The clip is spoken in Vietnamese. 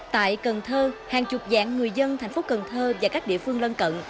tại cần thơ hàng chục dạng người dân thành phố cần thơ và các địa phương lân cận